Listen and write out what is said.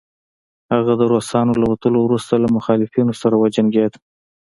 هغه د روسانو له وتلو وروسته له مخالفينو سره وجنګيد